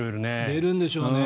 出るんでしょうね。